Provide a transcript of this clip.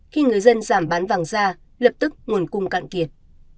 khi người dân giảm bán vàng ra lập tức nguồn cung cạn kiệt